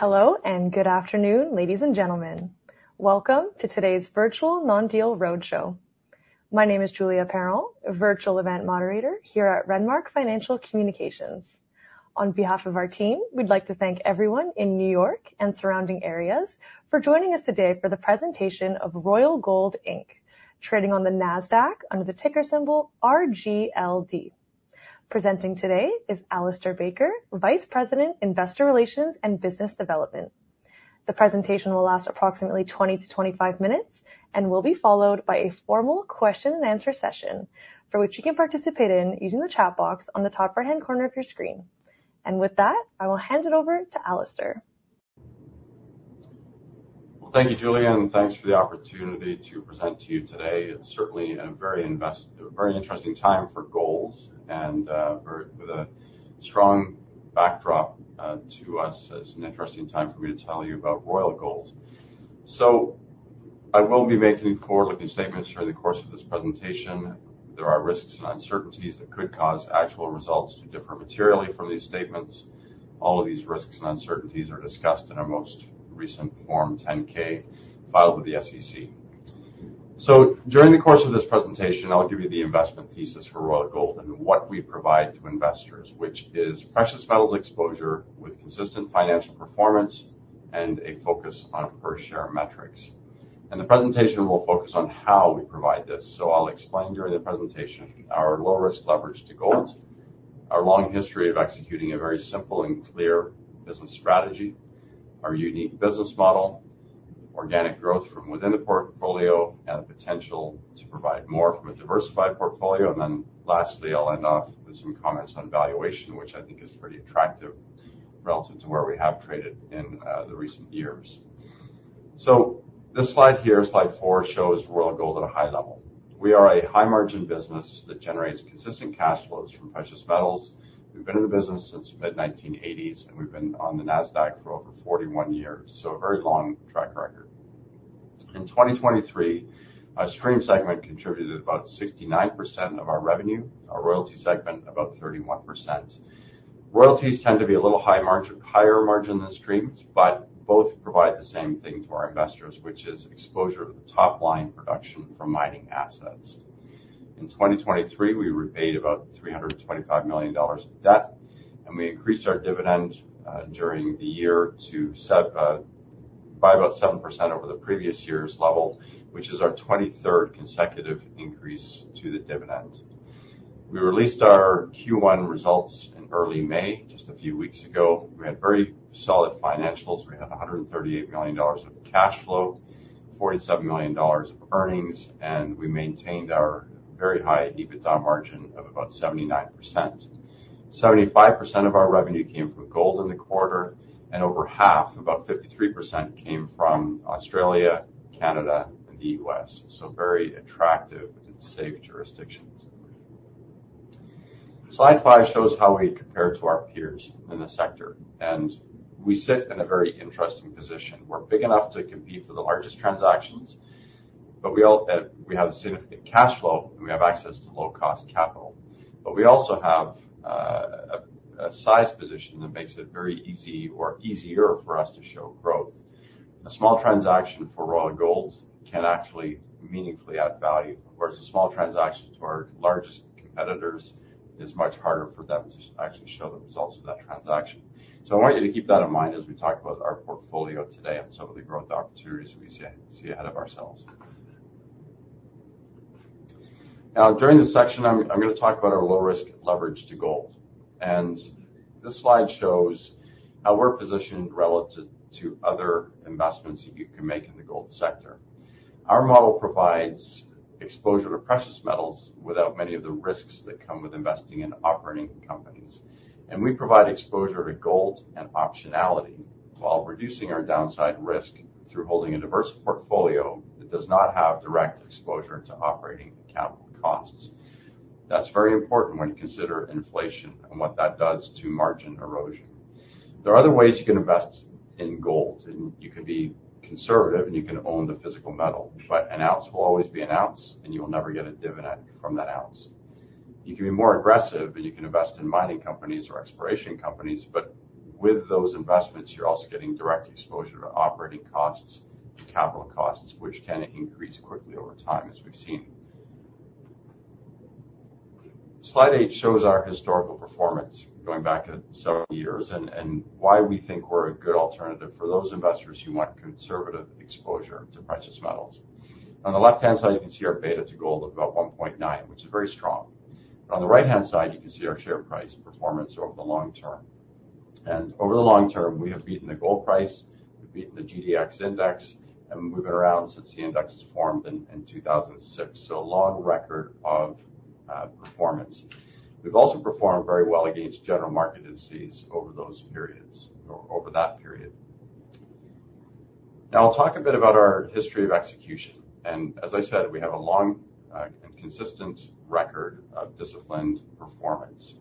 Hello, and good afternoon, ladies and gentlemen. Welcome to today's Virtual Non-Deal Roadshow. My name is Julia Perron, a Virtual Event Moderator here at Renmark Financial Communications. On behalf of our team, we'd like to thank everyone in New York and surrounding areas for joining us today for the presentation of Royal Gold Inc, trading on the Nasdaq under the ticker symbol RGLD. Presenting today is Alistair Baker, Vice President, Investor Relations and Business Development. The presentation will last approximately 20-25 minutes and will be followed by a formal question and answer session, for which you can participate in using the chat box on the top right-hand corner of your screen. With that, I will hand it over to Alistair. Well, thank you, Julia, and thanks for the opportunity to present to you today. It's certainly a very interesting time for gold and very with a strong backdrop to us. It's an interesting time for me to tell you about Royal Gold. So I will be making forward-looking statements during the course of this presentation. There are risks and uncertainties that could cause actual results to differ materially from these statements. All of these risks and uncertainties are discussed in our most recent Form 10-K, filed with the SEC. So during the course of this presentation, I'll give you the investment thesis for Royal Gold and what we provide to investors, which is precious metals exposure with consistent financial performance and a focus on per share metrics. And the presentation will focus on how we provide this. So I'll explain during the presentation our low-risk leverage to gold, our long history of executing a very simple and clear business strategy, our unique business model, organic growth from within the portfolio, and the potential to provide more from a diversified portfolio. And then lastly, I'll end off with some comments on valuation, which I think is pretty attractive relative to where we have traded in the recent years. So this slide here, Slide 4, shows Royal Gold at a high level. We are a high-margin business that generates consistent cash flows from precious metals. We've been in the business since the mid-1980s, and we've been on the Nasdaq for over 41 years, so a very long track record. In 2023, our stream segment contributed about 69% of our revenue, our royalty segment, about 31%. Royalties tend to be a little high margin, higher margin than streams, but both provide the same thing to our investors, which is exposure to the top-line production from mining assets. In 2023, we repaid about $325 million of debt, and we increased our dividend during the year to seven by about 7% over the previous year's level, which is our 23rd consecutive increase to the dividend. We released our Q1 results in early May, just a few weeks ago. We had very solid financials. We had $138 million of cash flow, $47 million of earnings, and we maintained our very high EBITDA margin of about 79%. 75% of our revenue came from gold in the quarter, and over half, about 53%, came from Australia, Canada, and the U.S., so very attractive and safe jurisdictions. Slide 5 shows how we compare to our peers in the sector, and we sit in a very interesting position. We're big enough to compete for the largest transactions, but we have significant cash flow, and we have access to low-cost capital. But we also have a size position that makes it very easy or easier for us to show growth. A small transaction for Royal Gold can actually meaningfully add value, whereas a small transaction to our largest competitors is much harder for them to actually show the results of that transaction. So I want you to keep that in mind as we talk about our portfolio today and some of the growth opportunities we see ahead of ourselves. Now, during this section, I'm gonna talk about our low-risk leverage to gold. This slide shows how we're positioned relative to other investments you can make in the gold sector. Our model provides exposure to precious metals without many of the risks that come with investing in operating companies. We provide exposure to gold and optionality while reducing our downside risk through holding a diverse portfolio that does not have direct exposure to operating and capital costs. That's very important when you consider inflation and what that does to margin erosion. There are other ways you can invest in gold, and you can be conservative, and you can own the physical metal, but an ounce will always be an ounce, and you will never get a dividend from that ounce. You can be more aggressive, and you can invest in mining companies or exploration companies, but with those investments, you're also getting direct exposure to operating costs and capital costs, which can increase quickly over time, as we've seen. Slide 8 shows our historical performance going back several years and why we think we're a good alternative for those investors who want conservative exposure to precious metals. On the left-hand side, you can see our beta to gold of about 1.9, which is very strong. On the right-hand side, you can see our share price performance over the long term. And over the long term, we have beaten the gold price, we've beaten the GDX Index, and we've been around since the index was formed in 2006, so a long record of performance. We've also performed very well against general market indices over those periods or over that period. Now, I'll talk a bit about our history of execution, and as I said, we have a long and consistent record of disciplined performance.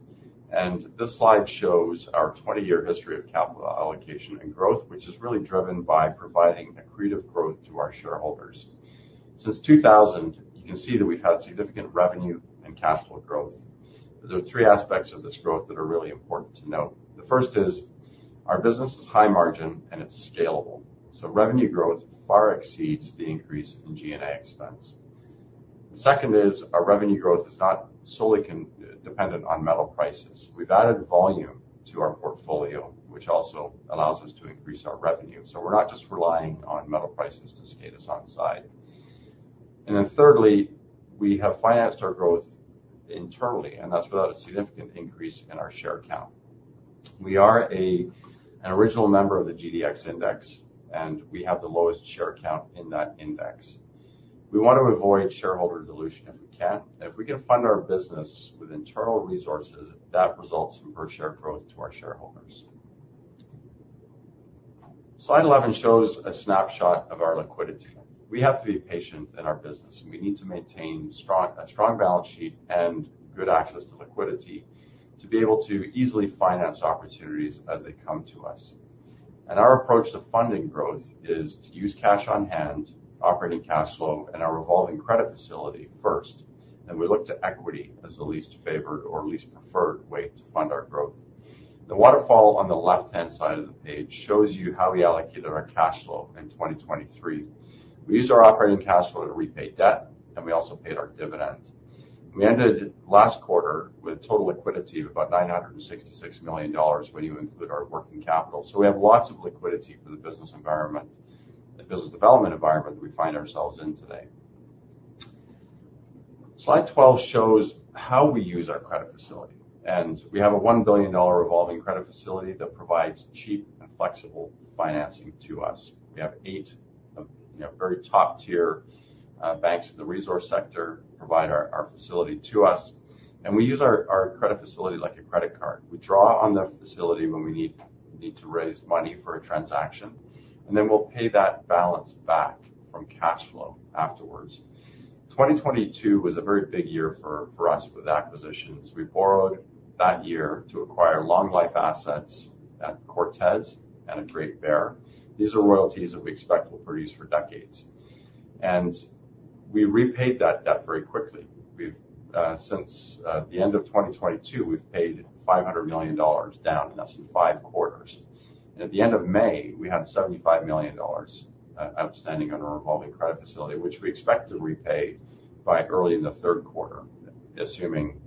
This slide shows our 20-year history of capital allocation and growth, which is really driven by providing accretive growth to our shareholders. Since 2000, you can see that we've had significant revenue and cash flow growth. There are three aspects of this growth that are really important to note. The first is, our business is high margin and it's scalable, so revenue growth far exceeds the increase in G&A expense. The second is, our revenue growth is not solely dependent on metal prices. We've added volume to our portfolio, which also allows us to increase our revenue, so we're not just relying on metal prices to skate us on the downside. And then thirdly, we have financed our growth internally, and that's without a significant increase in our share count. We are a, an original member of the GDX Index, and we have the lowest share count in that index. We want to avoid shareholder dilution if we can. If we can fund our business with internal resources, that results from per share growth to our shareholders. Slide 11 shows a snapshot of our liquidity. We have to be patient in our business, and we need to maintain strong, a strong balance sheet and good access to liquidity to be able to easily finance opportunities as they come to us. Our approach to funding growth is to use cash on hand, operating cash flow, and our revolving credit facility first, and we look to equity as the least favored or least preferred way to fund our growth. The waterfall on the left-hand side of the page shows you how we allocated our cash flow in 2023. We used our operating cash flow to repay debt, and we also paid our dividends. We ended last quarter with total liquidity of about $966 million when you include our working capital. We have lots of liquidity for the business environment, the business development environment we find ourselves in today. Slide 12 shows how we use our credit facility, and we have a $1 billion revolving credit facility that provides cheap and flexible financing to us. We have eight of, you know, very top-tier banks in the resource sector provide our facility to us, and we use our credit facility like a credit card. We draw on the facility when we need to raise money for a transaction, and then we'll pay that balance back from cash flow afterwards. 2022 was a very big year for us with acquisitions. We borrowed that year to acquire long life assets at Cortez and at Great Bear. These are royalties that we expect will produce for decades, and we repaid that debt very quickly. We've since the end of 2022, we've paid $500 million down in less than five quarters. At the end of May, we had $75 million outstanding on our revolving credit facility, which we expect to repay by early in the third quarter, assuming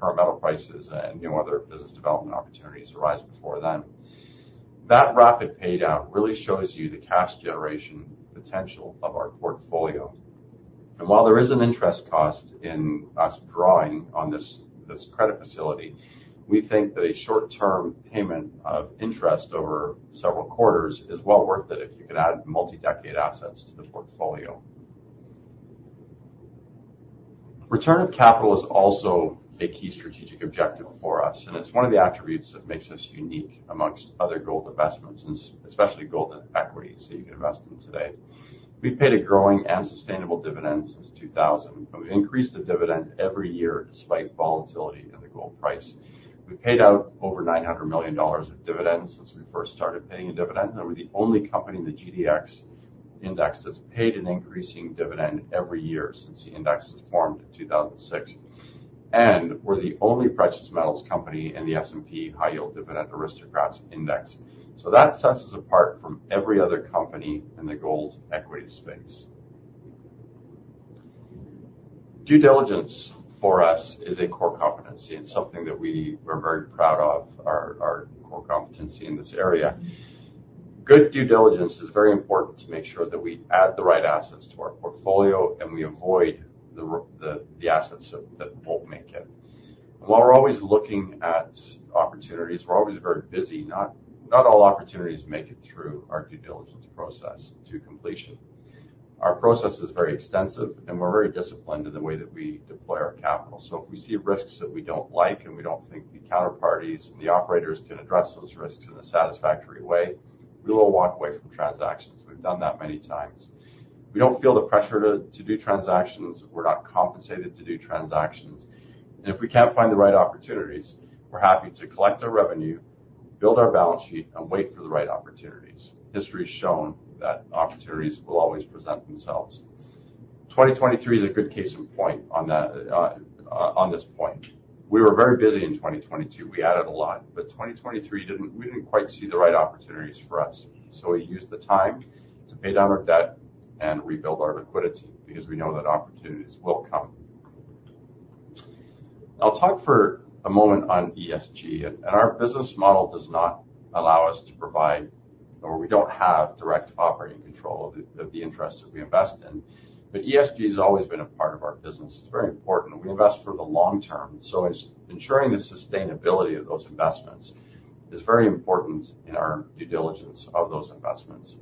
current metal prices and no other business development opportunities arise before then. That rapid payout really shows you the cash generation potential of our portfolio. And while there is an interest cost in us drawing on this, this credit facility, we think that a short-term payment of interest over several quarters is well worth it if you can add multi-decade assets to the portfolio. Return of capital is also a key strategic objective for us, and it's one of the attributes that makes us unique amongst other gold investments, and especially gold and equities that you can invest in today. We've paid a growing and sustainable dividend since 2000, and we've increased the dividend every year despite volatility in the gold price. We paid out over $900 million of dividends since we first started paying a dividend, and we're the only company in the GDX Index that's paid an increasing dividend every year since the index was formed in 2006. We're the only precious metals company in the S&P High Yield Dividend Aristocrats Index. That sets us apart from every other company in the gold equity space. Due diligence for us is a core competency and something that we are very proud of, our core competency in this area. Good due diligence is very important to make sure that we add the right assets to our portfolio, and we avoid the assets that won't make it. While we're always looking at opportunities, we're always very busy. Not all opportunities make it through our due diligence process to completion. Our process is very extensive, and we're very disciplined in the way that we deploy our capital. So if we see risks that we don't like, and we don't think the counterparties and the operators can address those risks in a satisfactory way, we will walk away from transactions. We've done that many times. We don't feel the pressure to do transactions. We're not compensated to do transactions. And if we can't find the right opportunities, we're happy to collect our revenue, build our balance sheet, and wait for the right opportunities. History has shown that opportunities will always present themselves. 2023 is a good case in point on that, on this point. We were very busy in 2022. We added a lot, but 2023 didn't. We didn't quite see the right opportunities for us, so we used the time to pay down our debt and rebuild our liquidity because we know that opportunities will come. I'll talk for a moment on ESG, and our business model does not allow us to provide, or we don't have direct operating control of the interests that we invest in, but ESG has always been a part of our business. It's very important. We invest for the long term, so ensuring the sustainability of those investments is very important in our due diligence of those investments.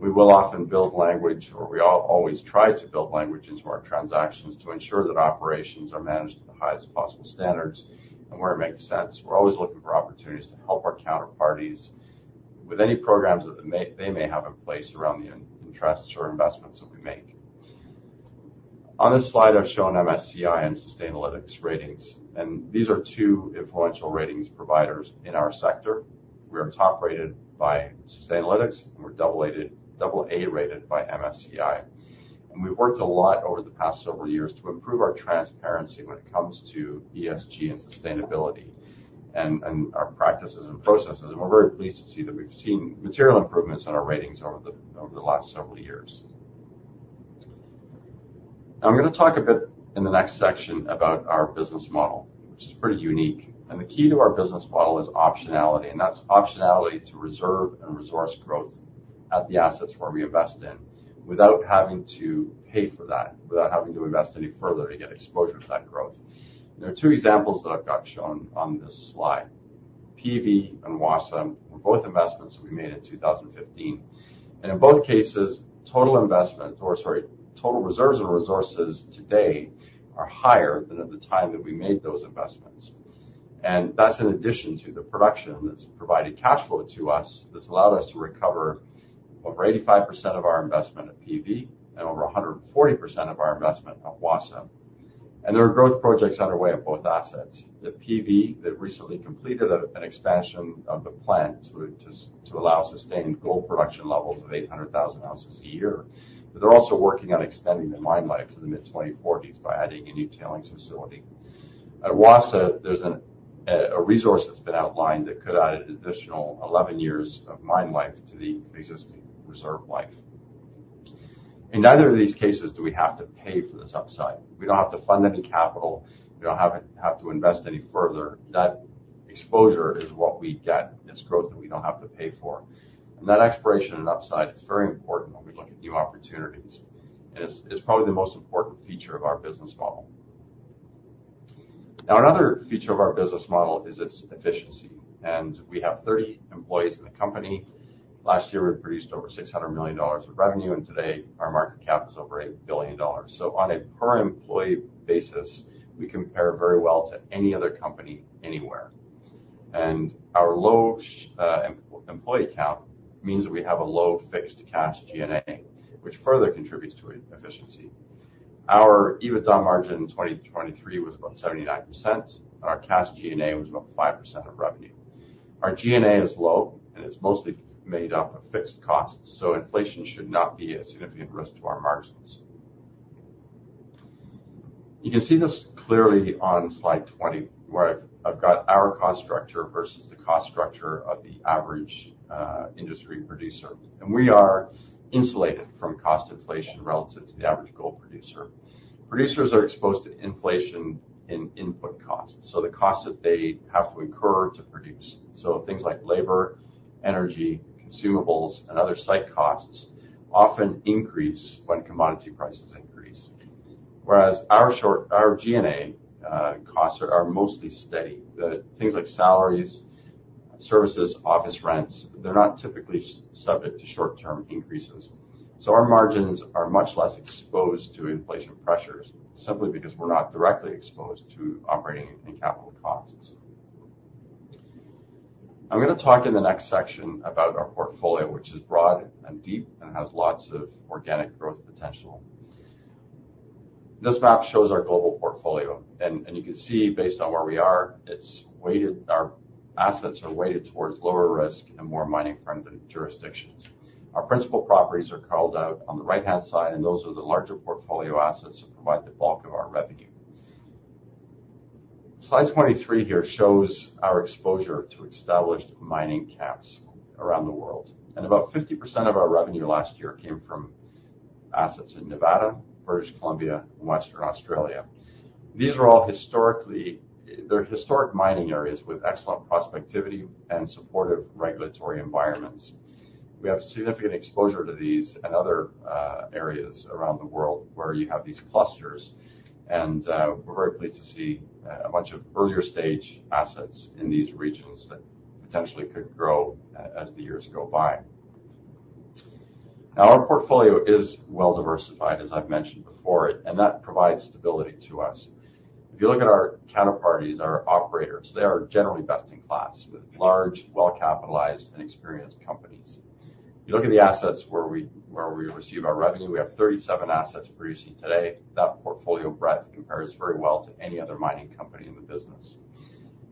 We will often build language, or we always try to build language into our transactions to ensure that operations are managed to the highest possible standards. Where it makes sense, we're always looking for opportunities to help our counterparties with any programs that they may have in place around the in interests or investments that we make. On this slide, I've shown MSCI and Sustainalytics ratings, and these are two influential ratings providers in our sector. We are top-rated by Sustainalytics, and we're double-rated, AA-rated by MSCI. We've worked a lot over the past several years to improve our transparency when it comes to ESG and sustainability, and our practices and processes, and we're very pleased to see that we've seen material improvements in our ratings over the last several years. Now, I'm gonna talk a bit in the next section about our business model, which is pretty unique, and the key to our business model is optionality, and that's optionality to reserve and resource growth at the assets where we invest in, without having to pay for that, without having to invest any further to get exposure to that growth. There are two examples that I've got shown on this slide. PV and Wassa were both investments we made in 2015, and in both cases, total investment or, sorry, total reserves and resources today are higher than at the time that we made those investments. And that's in addition to the production that's provided cash flow to us. This allowed us to recover over 85% of our investment at PV and over 140% of our investment at Wassa. There are growth projects underway at both assets. The PV that recently completed an expansion of the plant to allow sustained gold production levels of 800,000 oz/yr. But they're also working on extending the mine life to the mid-2040s by adding a new tailings facility. At Wassa, there's a resource that's been outlined that could add an additional 11 years of mine life to the existing reserve life. In neither of these cases do we have to pay for this upside. We don't have to fund any capital. We don't have to invest any further. That exposure is what we get. It's growth that we don't have to pay for. That exploration and upside is very important when we look at new opportunities, and it's probably the most important feature of our business model. Now, another feature of our business model is its efficiency, and we have 30 employees in the company. Last year, we produced over $600 million of revenue, and today our market cap is over $8 billion. So on a per-employee basis, we compare very well to any other company anywhere. And our low employee count means that we have a low fixed cash G&A, which further contributes to efficiency. Our EBITDA margin in 2023 was about 79%, and our cash G&A was about 5% of revenue. Our G&A is low, and it's mostly made up of fixed costs, so inflation should not be a significant risk to our margins. You can see this clearly on Slide 20, where I've got our cost structure versus the cost structure of the average industry producer, and we are insulated from cost inflation relative to the average gold producer. Producers are exposed to inflation in input costs, so the costs that they have to incur to produce. So things like labor, energy, consumables, and other site costs often increase when commodity prices increase. Whereas our G&A costs are mostly steady. The things like salaries, services, office rents, they're not typically subject to short-term increases. So our margins are much less exposed to inflation pressures, simply because we're not directly exposed to operating and capital costs. I'm gonna talk in the next section about our portfolio, which is broad and deep and has lots of organic growth potential. This map shows our global portfolio, and you can see, based on where we are, it's weighted. Our assets are weighted towards lower risk and more mining-friendly jurisdictions. Our principal properties are called out on the right-hand side, and those are the larger portfolio assets that provide the bulk of our revenue. Slide 23 here shows our exposure to established mining camps around the world, and about 50% of our revenue last year came from assets in Nevada, British Columbia, and Western Australia. These are all historically, they're historic mining areas with excellent prospectivity and supportive regulatory environments. We have significant exposure to these and other areas around the world where you have these clusters, and we're very pleased to see a bunch of earlier-stage assets in these regions that potentially could grow as the years go by. Now, our portfolio is well diversified, as I've mentioned before, and that provides stability to us. If you look at our counterparties, our operators, they are generally best in class with large, well-capitalized, and experienced companies. You look at the assets where we receive our revenue, we have 37 assets producing today. That portfolio breadth compares very well to any other mining company in the business.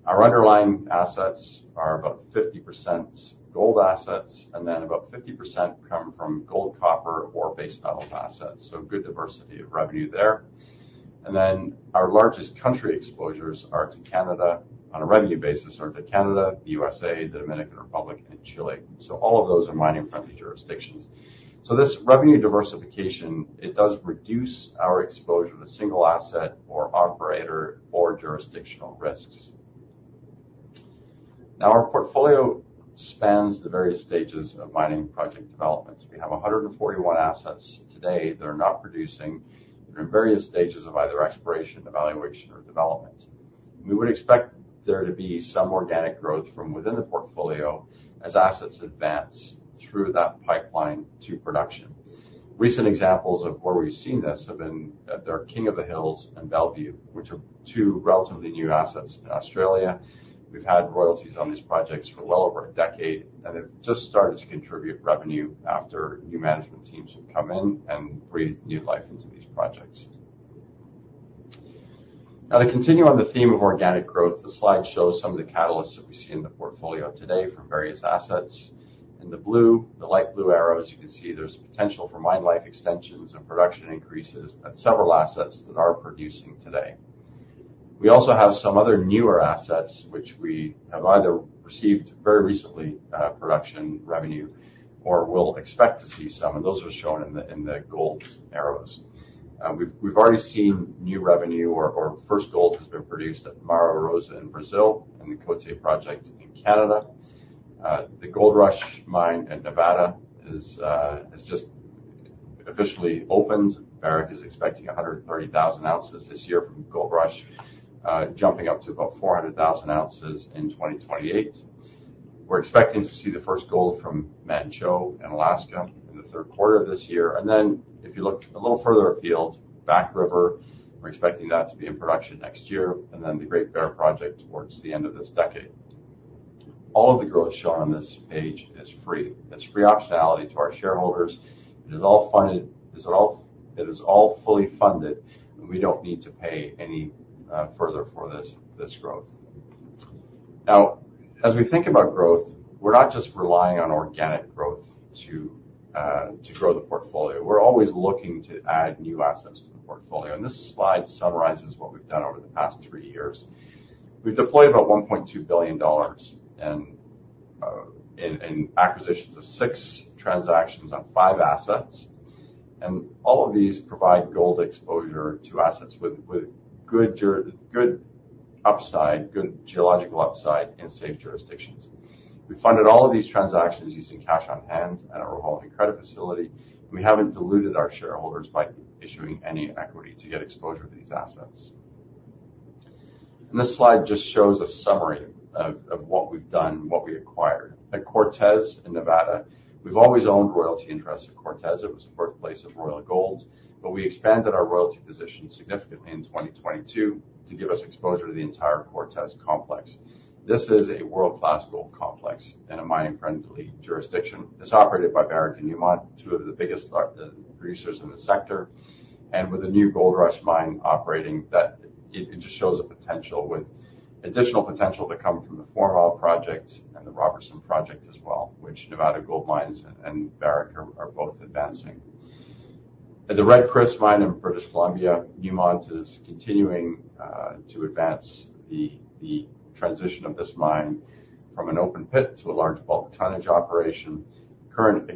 Our underlying assets are about 50% gold assets, and then about 50% come from gold, copper, or base metal assets, so good diversity of revenue there. And then our largest country exposures are to Canada, on a revenue basis, are to Canada, the U.S.A, the Dominican Republic, and Chile, so all of those are mining-friendly jurisdictions. So this revenue diversification, it does reduce our exposure to single asset or operator or jurisdictional risks. Now, our portfolio spans the various stages of mining project developments. We have 141 assets today that are not producing, they're in various stages of either exploration, evaluation, or development. We would expect there to be some organic growth from within the portfolio as assets advance through that pipeline to production. Recent examples of where we've seen this have been at our King of the Hills and Bellevue, which are two relatively new assets in Australia. We've had royalties on these projects for well over a decade, and they've just started to contribute revenue after new management teams have come in and breathed new life into these projects. Now to continue on the theme of organic growth, this slide shows some of the catalysts that we see in the portfolio today from various assets. In the blue, the light blue arrows, you can see there's potential for mine life extensions and production increases at several assets that are producing today. We also have some other newer assets which we have either received very recently, production revenue or will expect to see some, and those are shown in the, in the gold arrows. We've, we've already seen new revenue or, or first gold has been produced at Mara Rosa in Brazil and the Côté project in Canada. The Goldrush Mine in Nevada is, has just officially opened. Barrick is expecting 130,000 oz this year from Goldrush, jumping up to about 400,000 oz in 2028. We're expecting to see the first gold from Manh Choh in Alaska in the third quarter of this year. And then, if you look a little further afield, Back River, we're expecting that to be in production next year, and then the Great Bear project towards the end of this decade. All of the growth shown on this page is free. It's free optionality to our shareholders. It is all funded. It is all, it is all fully funded, and we don't need to pay any further for this, this growth. Now, as we think about growth, we're not just relying on organic growth to grow the portfolio. We're always looking to add new assets to the portfolio, and this slide summarizes what we've done over the past three years. We've deployed about $1.2 billion in acquisitions of six transactions on five assets, and all of these provide gold exposure to assets with good upside, good geological upside in safe jurisdictions. We funded all of these transactions using cash on hand and a revolving credit facility, and we haven't diluted our shareholders by issuing any equity to get exposure to these assets. This slide just shows a summary of what we've done, what we acquired. At Cortez, in Nevada, we've always owned royalty interest at Cortez. It was the birthplace of Royal Gold, but we expanded our royalty position significantly in 2022 to give us exposure to the entire Cortez complex. This is a world-class gold complex and a mining-friendly jurisdiction. It's operated by Barrick and Newmont, two of the biggest producers in the sector, and with a new Goldrush Mine operating, that just shows a potential with additional potential to come from the Fourmile project and the Robertson project as well, which Nevada Gold Mines and Barrick are both advancing. At the Red Chris Mine in British Columbia, Newmont is continuing to advance the transition of this mine from an open pit to a large bulk tonnage operation. Currently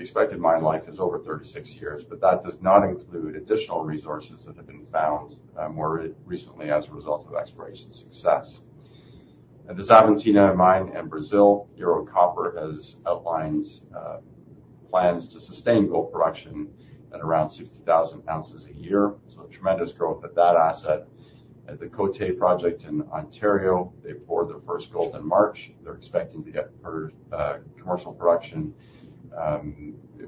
expected mine life is over 36 years, but that does not include additional resources that have been found more recently as a result of exploration success. At the Xavantina Mine in Brazil, Ero Copper has outlined plans to sustain gold production at around 60,000 oz/yr, so tremendous growth at that asset. At the Côté project in Ontario, they poured their first gold in March. They're expecting to get per, commercial production,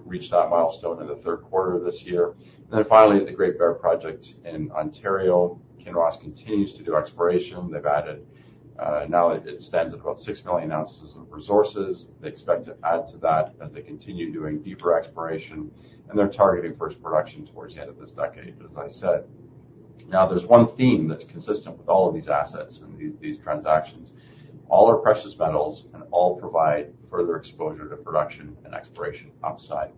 reach that milestone in the third quarter of this year. And then finally, at the Great Bear project in Ontario, Kinross continues to do exploration. They've added, now it, it stands at about 6 million oz of resources. They expect to add to that as they continue doing deeper exploration, and they're targeting first production towards the end of this decade, as I said. Now, there's one theme that's consistent with all of these assets and these, these transactions. All are precious metals, and all provide further exposure to production and exploration upside.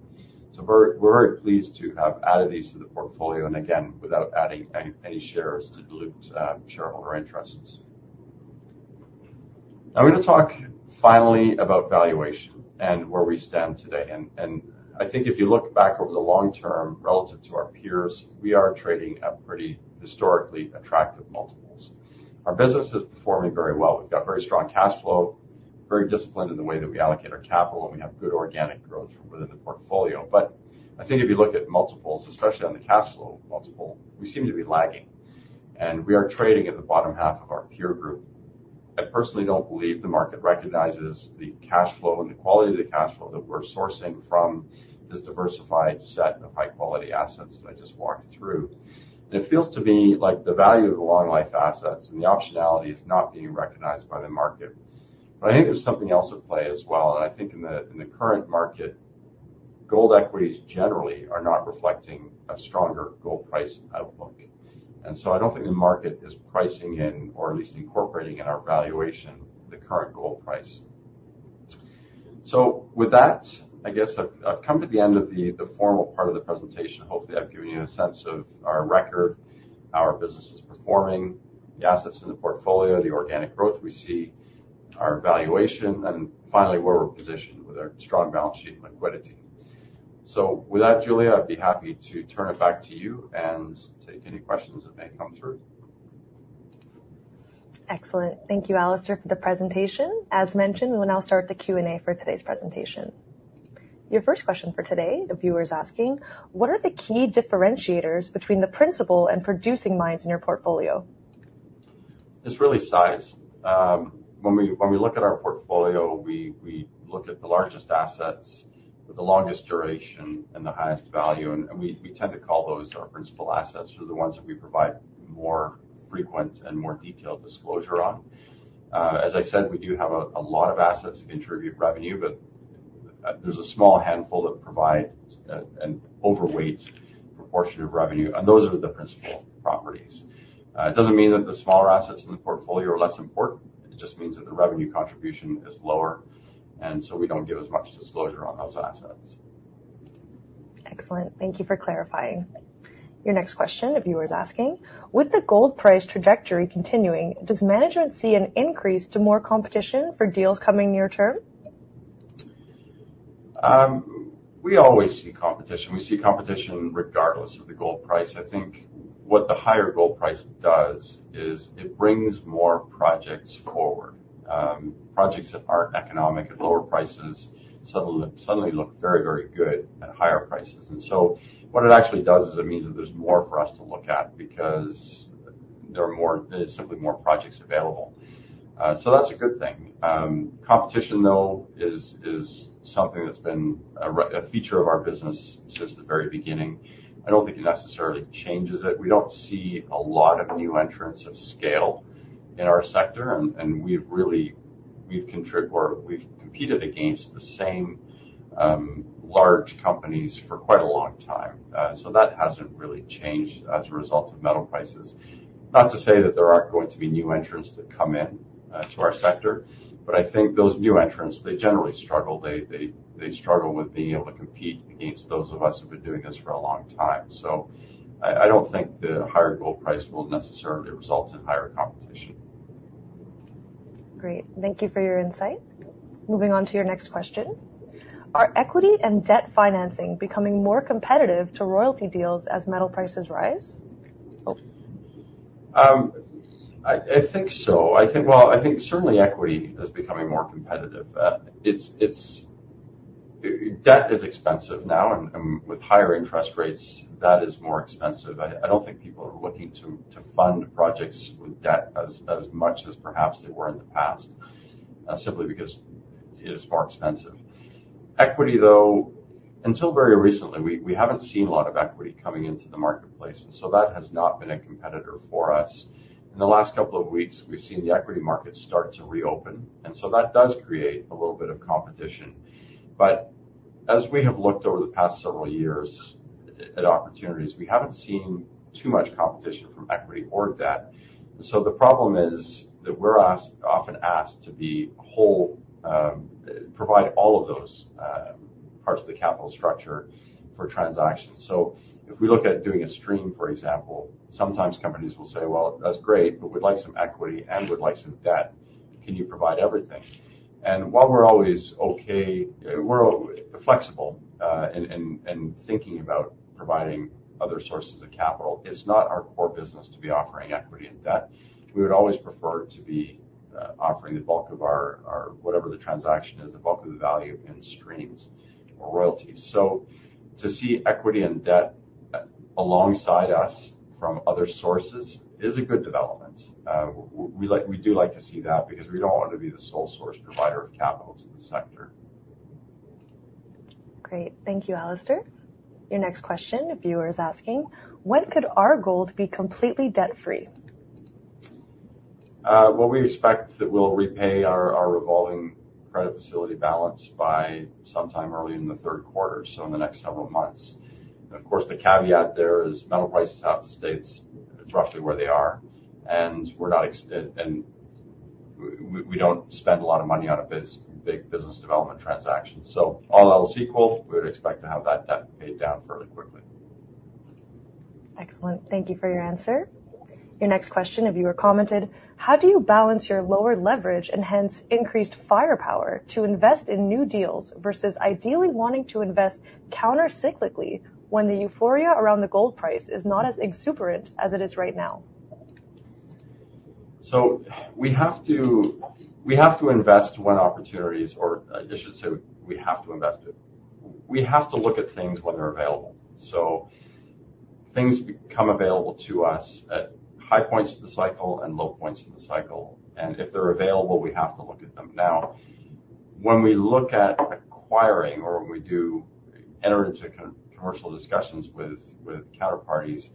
So we're, we're very pleased to have added these to the portfolio, and again, without adding any, any shares to dilute, shareholder interests. I'm going to talk finally about valuation and where we stand today. I think if you look back over the long term, relative to our peers, we are trading at pretty historically attractive multiples. Our business is performing very well. We've got very strong cash flow, very disciplined in the way that we allocate our capital, and we have good organic growth within the portfolio. But I think if you look at multiples, especially on the cash flow multiple, we seem to be lagging, and we are trading at the bottom half of our peer group. I personally don't believe the market recognizes the cash flow and the quality of the cash flow that we're sourcing from this diversified set of high-quality assets that I just walked through. It feels to me like the value of the long life assets and the optionality is not being recognized by the market. But I think there's something else at play as well, and I think in the, in the current market, gold equities generally are not reflecting a stronger gold price outlook. So I don't think the market is pricing in or at least incorporating in our valuation, the current gold price. So with that, I guess I've, I've come to the end of the, the formal part of the presentation. Hopefully, I've given you a sense of our record, how our business is performing, the assets in the portfolio, the organic growth we see, our valuation, and finally, where we're positioned with our strong balance sheet and liquidity. With that, Julia, I'd be happy to turn it back to you and take any questions that may come through. Excellent. Thank you, Alistair, for the presentation. As mentioned, we'll now start the Q&A for today's presentation. Your first question for today, a viewer is asking: What are the key differentiators between the principal and producing mines in your portfolio? It's really size. When we look at our portfolio, we look at the largest assets with the longest duration and the highest value, and we tend to call those our principal assets. They're the ones that we provide more frequent and more detailed disclosure on. As I said, we do have a lot of assets that contribute revenue. There's a small handful that provide an overweight proportion of revenue, and those are the principal properties. It doesn't mean that the smaller assets in the portfolio are less important. It just means that the revenue contribution is lower, and so we don't give as much disclosure on those assets. Excellent. Thank you for clarifying. Your next question, a viewer's asking: With the gold price trajectory continuing, does management see an increase to more competition for deals coming near term? We always see competition. We see competition regardless of the gold price. I think what the higher gold price does is it brings more projects forward. Projects that aren't economic at lower prices suddenly, suddenly look very, very good at higher prices. And so what it actually does is, it means that there's more for us to look at because there's simply more projects available. So that's a good thing. Competition, though, is something that's been a feature of our business since the very beginning. I don't think it necessarily changes it. We don't see a lot of new entrants of scale in our sector, and we've really competed against the same large companies for quite a long time. So that hasn't really changed as a result of metal prices. Not to say that there aren't going to be new entrants that come in, to our sector, but I think those new entrants, they generally struggle. They struggle with being able to compete against those of us who've been doing this for a long time. So I don't think the higher gold price will necessarily result in higher competition. Great, thank you for your insight. Moving on to your next question. Are equity and debt financing becoming more competitive to royalty deals as metal prices rise? I think so. I think, well, certainly equity is becoming more competitive. It's. Debt is expensive now, and with higher interest rates, debt is more expensive. I don't think people are looking to fund projects with debt as much as perhaps they were in the past, simply because it is more expensive. Equity, though, until very recently, we haven't seen a lot of equity coming into the marketplace, and so that has not been a competitor for us. In the last couple of weeks, we've seen the equity market start to reopen, and so that does create a little bit of competition. But as we have looked over the past several years at opportunities, we haven't seen too much competition from equity or debt. So the problem is that we're asked, often asked to be whole, provide all of those parts of the capital structure for transactions. So if we look at doing a stream, for example, sometimes companies will say, "Well, that's great, but we'd like some equity, and we'd like some debt. Can you provide everything?" And while we're always okay, we're flexible, and thinking about providing other sources of capital, it's not our core business to be offering equity and debt. We would always prefer to be offering the bulk of our, whatever the transaction is, the bulk of the value in streams or royalties. So to see equity and debt alongside us from other sources is a good development. We like. We do like to see that because we don't want to be the sole source provider of capital to the sector. Great. Thank you, Alistair. Your next question, a viewer is asking: When could Royal Gold be completely debt-free? Well, we expect that we'll repay our revolving credit facility balance by sometime early in the third quarter, so in the next several months. Of course, the caveat there is metal prices have to stay; it's roughly where they are, and we don't spend a lot of money on big business development transactions. So all else equal, we would expect to have that debt paid down fairly quickly. Excellent. Thank you for your answer. Your next question, a viewer commented: How do you balance your lower leverage and hence increased firepower to invest in new deals versus ideally wanting to invest countercyclically when the euphoria around the gold price is not as exuberant as it is right now? So we have to, we have to invest when opportunities, or I should say, we have to invest it. We have to look at things when they're available. So things become available to us at high points of the cycle and low points in the cycle, and if they're available, we have to look at them. Now, when we look at acquiring or when we do enter into commercial discussions with counterparties,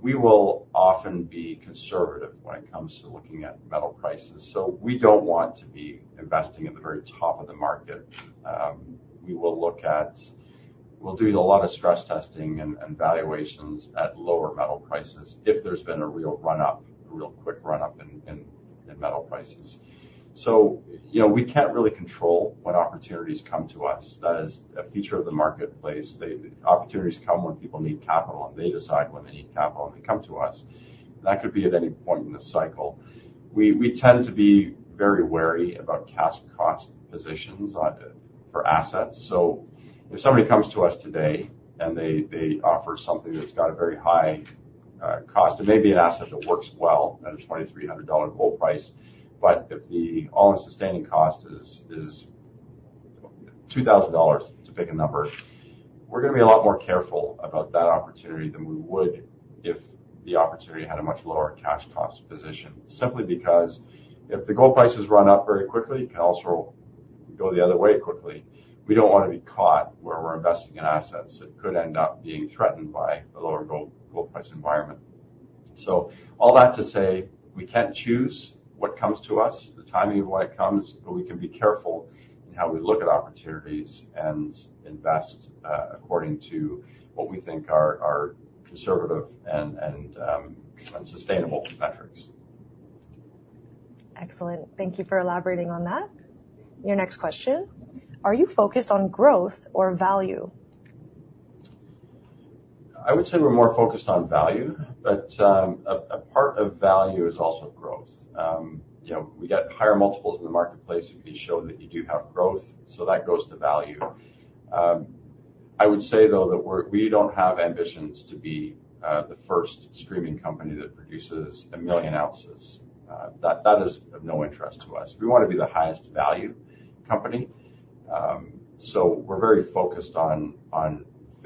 we will often be conservative when it comes to looking at metal prices. So we don't want to be investing at the very top of the market. We'll do a lot of stress testing and valuations at lower metal prices if there's been a real run-up, a real quick run-up in metal prices. So, you know, we can't really control what opportunities come to us. That is a feature of the marketplace. The opportunities come when people need capital, and they decide when they need capital, and they come to us. That could be at any point in the cycle. We, we tend to be very wary about cash costs, positions, for assets. So if somebody comes to us today, and they, they offer something that's got a very high, cost, it may be an asset that works well at a $2,300 gold price. But if the all-in sustaining cost is, is $2,000, to pick a number, we're gonna be a lot more careful about that opportunity than we would if the opportunity had a much lower cash cost position. Simply because if the gold prices run up very quickly, it can also go the other way quickly. We don't wanna be caught where we're investing in assets that could end up being threatened by a lower gold price environment. So all that to say, we can't choose what comes to us, the timing of what comes, but we can be careful in how we look at opportunities and invest according to what we think are conservative and sustainable metrics. Excellent. Thank you for elaborating on that. Your next question: Are you focused on growth or value? I would say we're more focused on value, but a part of value is also growth. You know, we get higher multiples in the marketplace if you show that you do have growth, so that goes to value. I would say, though, that we're, we don't have ambitions to be the first streaming company that produces a million ounces. That is of no interest to us. We wanna be the highest value company. So we're very focused on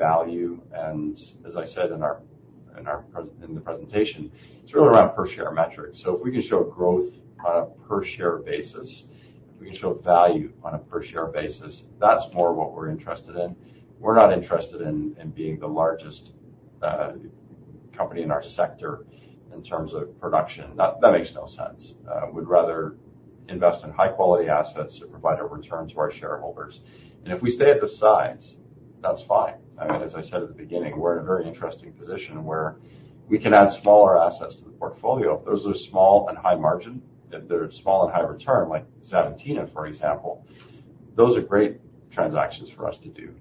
value, and as I said in the presentation, it's really around per share metrics. So if we can show growth on a per share basis, if we can show value on a per share basis, that's more what we're interested in. We're not interested in being the largest company in our sector in terms of production. That, that makes no sense. We'd rather invest in high quality assets that provide a return to our shareholders. And if we stay at this size, that's fine. I mean, as I said at the beginning, we're in a very interesting position where we can add smaller assets to the portfolio. If those are small and high margin, if they're small and high return, like Xavantina, for example, those are great transactions for us to do.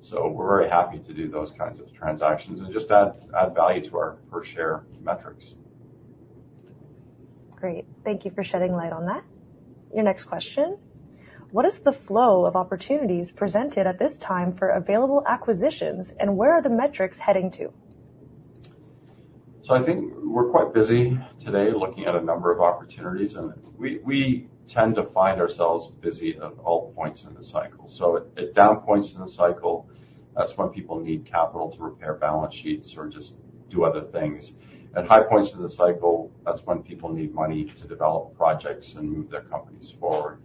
So we're very happy to do those kinds of transactions and just add, add value to our per share metrics. Great. Thank you for shedding light on that. Your next question: What is the flow of opportunities presented at this time for available acquisitions, and where are the metrics heading to? So I think we're quite busy today, looking at a number of opportunities, and we tend to find ourselves busy at all points in the cycle. So at down points in the cycle, that's when people need capital to repair balance sheets or just do other things. At high points in the cycle, that's when people need money to develop projects and move their companies forward.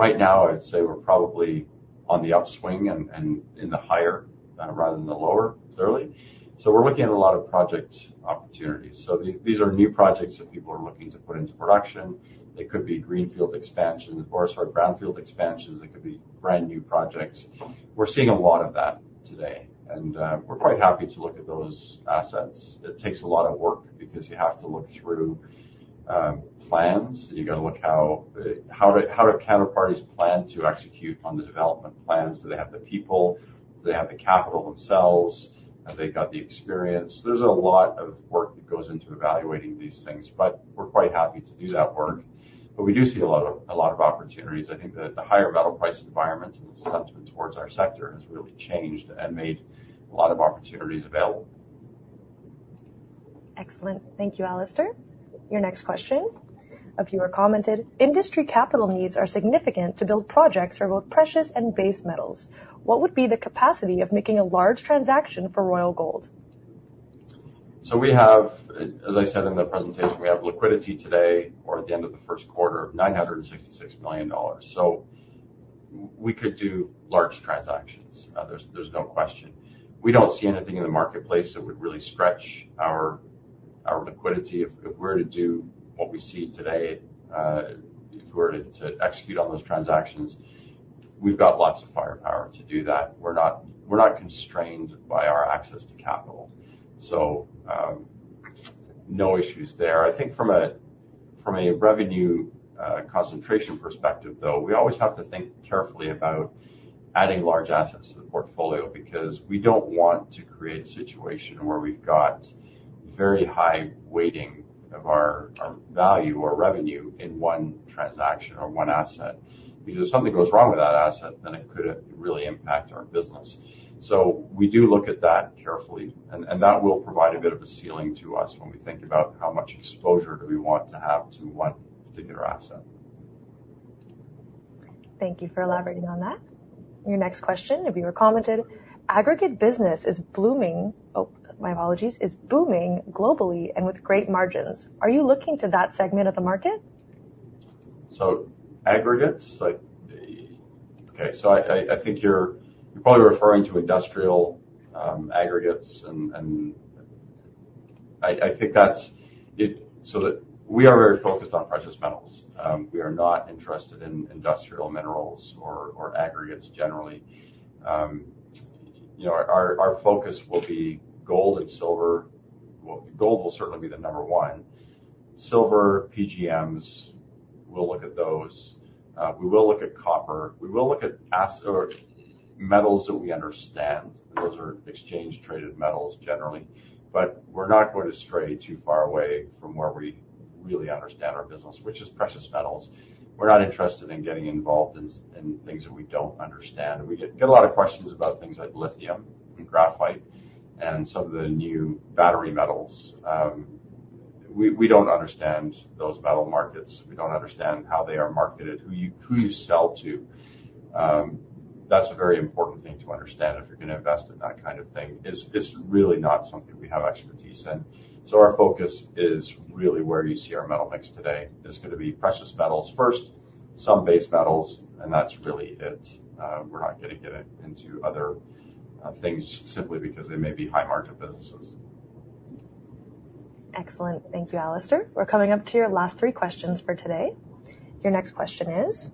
Right now, I'd say we're probably on the upswing and in the higher rather than the lower, clearly. So we're looking at a lot of project opportunities. So these are new projects that people are looking to put into production. They could be greenfield expansion, or sorry, brownfield expansions. They could be brand new projects. We're seeing a lot of that today, and we're quite happy to look at those assets. It takes a lot of work because you have to look through plans. You gotta look how counterparties plan to execute on the development plans? Do they have the people? Do they have the capital themselves? Have they got the experience? There's a lot of work that goes into evaluating these things, but we're quite happy to do that work. But we do see a lot of, a lot of opportunities. I think that the higher metal price environment and the sentiment towards our sector has really changed and made a lot of opportunities available. Excellent. Thank you, Alistair. Your next question: A viewer commented, "Industry capital needs are significant to build projects for both precious and base metals. What would be the capacity of making a large transaction for Royal Gold? As I said in the presentation, we have liquidity today or at the end of the first quarter of $966 million. So we could do large transactions, there's, there's no question. We don't see anything in the marketplace that would really stretch our, our liquidity. If, if we were to do what we see today, if we were to execute on those transactions, we've got lots of firepower to do that. We're not, we're not constrained by our access to capital, so, no issues there. I think from a revenue concentration perspective, though, we always have to think carefully about adding large assets to the portfolio, because we don't want to create a situation where we've got very high weighting of our value or revenue in one transaction or one asset, because if something goes wrong with that asset, then it could really impact our business. So we do look at that carefully, and that will provide a bit of a ceiling to us when we think about how much exposure do we want to have to one particular asset. Thank you for elaborating on that. Your next question, a viewer commented: Aggregate business is blooming. Oh, my apologies, is booming globally and with great margins. Are you looking to that segment of the market? So aggregates, like, okay, so I think you're probably referring to industrial aggregates, and I think that's it. So we are very focused on precious metals. We are not interested in industrial minerals or aggregates generally. You know, our focus will be gold and silver. Well, gold will certainly be the number one. Silver, PGMs, we'll look at those. We will look at copper. We will look at base metals that we understand. Those are exchange-traded metals, generally. But we're not going to stray too far away from where we really understand our business, which is precious metals. We're not interested in getting involved in things that we don't understand. We get a lot of questions about things like lithium and graphite and some of the new battery metals. We don't understand those metal markets. We don't understand how they are marketed, who you sell to. That's a very important thing to understand if you're gonna invest in that kind of thing. It's really not something we have expertise in. So our focus is really where you see our metal mix today. It's gonna be precious metals first, some base metals, and that's really it. We're not gonna get into other things simply because they may be high-margin businesses. Excellent. Thank you, Alistair. We're coming up to your last three questions for today. Your next question is: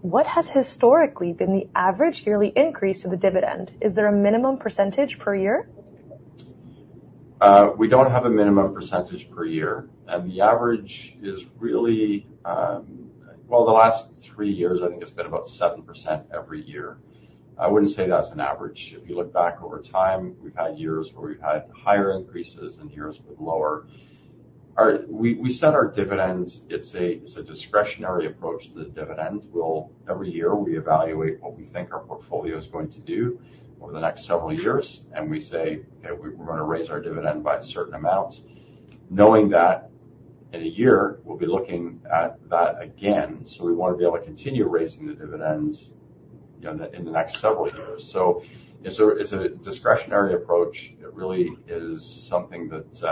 what has historically been the average yearly increase of the dividend? Is there a minimum percentage per year? We don't have a minimum percentage per year, and the average is really, well, the last three years, I think it's been about 7% every year. I wouldn't say that's an average. If you look back over time, we've had years where we've had higher increases and years with lower. We set our dividends, it's a, it's a discretionary approach to the dividend. Every year, we evaluate what we think our portfolio is going to do over the next several years, and we say, "Okay, we're gonna raise our dividend by a certain amount," knowing that in a year we'll be looking at that again, so we wanna be able to continue raising the dividends, you know, in the next several years. So it's a, it's a discretionary approach. It really is something that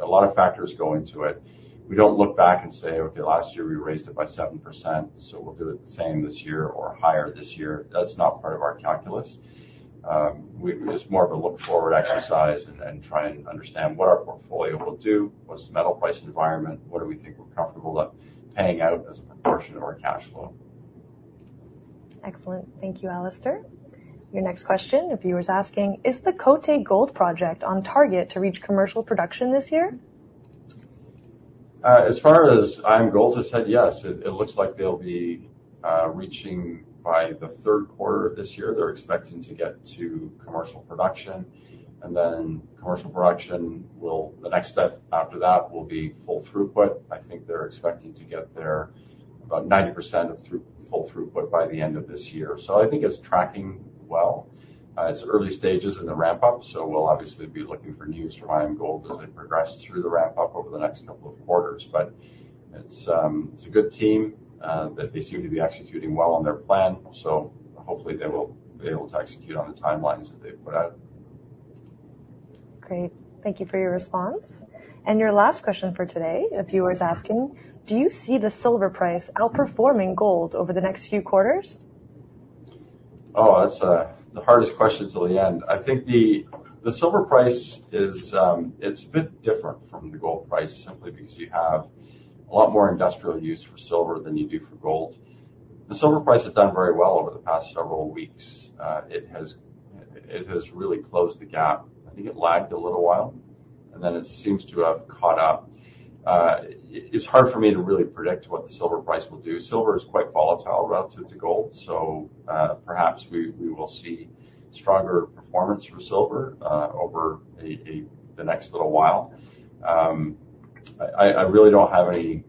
a lot of factors go into it. We don't look back and say, "Okay, last year we raised it by 7%, so we'll do it the same this year or higher this year." That's not part of our calculus. It's more of a look-forward exercise and trying to understand what our portfolio will do, what's the metal price environment, what do we think we're comfortable with paying out as a proportion of our cash flow? Excellent. Thank you, Alistair. Your next question. A viewer's asking: Is the Côté Gold Project on target to reach commercial production this year? As far as IAMGOLD has said, yes, it looks like they'll be reaching by the third quarter of this year. They're expecting to get to commercial production, and then commercial production will. The next step after that will be full throughput. I think they're expecting to get there about 90% full throughput by the end of this year. So I think it's tracking well. It's early stages in the ramp-up, so we'll obviously be looking for news from IAMGOLD as they progress through the ramp-up over the next couple of quarters. But it's a good team that they seem to be executing well on their plan, so hopefully they will be able to execute on the timelines that they've put out. Great. Thank you for your response. Your last question for today, a viewer is asking: Do you see the silver price outperforming gold over the next few quarters? Oh, that's the hardest question till the end. I think the silver price is it's a bit different from the gold price, simply because you have a lot more industrial use for silver than you do for gold. The silver price has done very well over the past several weeks. It has really closed the gap. I think it lagged a little while, and then it seems to have caught up. It's hard for me to really predict what the silver price will do. Silver is quite volatile relative to gold, so perhaps we will see stronger performance for silver over the next little while. I really don't have any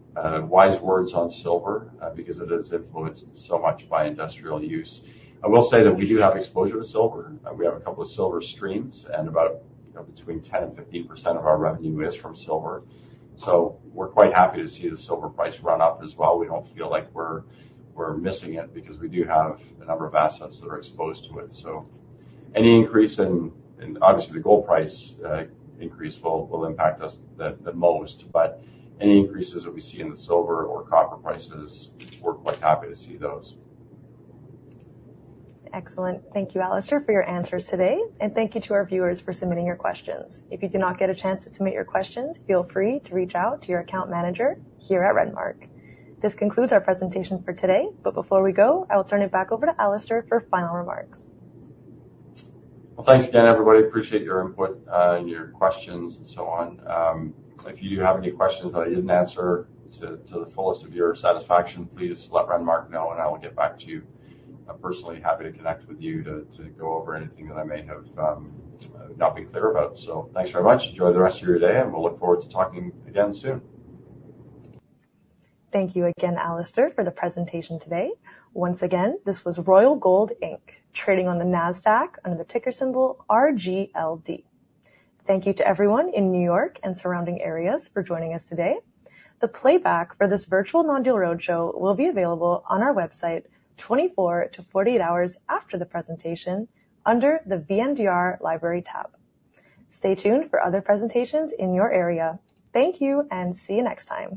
wise words on silver because it is influenced so much by industrial use. I will say that we do have exposure to silver. We have a couple of silver streams, and about between 10% and 15% of our revenue is from silver. So we're quite happy to see the silver price run up as well. We don't feel like we're missing it because we do have a number of assets that are exposed to it. So any increase in, obviously, the gold price increase will impact us the most, but any increases that we see in the silver or copper prices, we're quite happy to see those. Excellent. Thank you, Alistair, for your answers today, and thank you to our viewers for submitting your questions. If you did not get a chance to submit your questions, feel free to reach out to your account manager here at Renmark. This concludes our presentation for today, but before we go, I will turn it back over to Alistair for final remarks. Well, thanks again, everybody. Appreciate your input and your questions and so on. If you do have any questions that I didn't answer to the fullest of your satisfaction, please let Renmark know, and I will get back to you. I'm personally happy to connect with you to go over anything that I may have not been clear about. So thanks very much. Enjoy the rest of your day, and we'll look forward to talking again soon. Thank you again, Alistair, for the presentation today. Once again, this was Royal Gold Inc, trading on the Nasdaq under the ticker symbol RGLD. Thank you to everyone in New York and surrounding areas for joining us today. The playback for this Virtual Non-Deal Roadshow will be available on our website, 24-48 hours after the presentation under the VNDR Library tab. Stay tuned for other presentations in your area. Thank you and see you next time.